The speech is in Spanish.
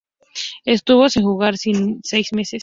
Estuvo sin jugar seis meses.